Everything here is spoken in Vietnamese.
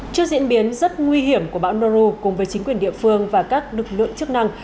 trước diễn biến rất nguy hiểm của bão noru cùng với chính quyền địa phương và các lực lượng chức năng